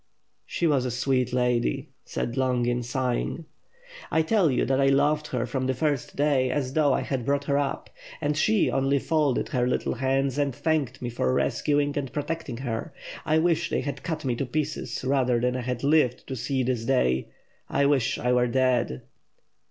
"She was a sweet lady," said Longin sighing. WITH FIRE AND SWORD, 533 ^'I tell you that I loved her from the first day as though I had brought her up. And she only folded her little hands and thanked me for rescuing and protecting her. I wish they had cut me to pieces, rather than that I had lived to see this day. I wish I were dead!"